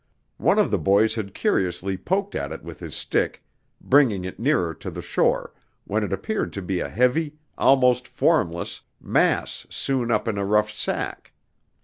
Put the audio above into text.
One of the boys had curiously poked at it with his stick, bringing it nearer to the shore, when it appeared to be a heavy, almost formless, mass sewn up in a rough sack.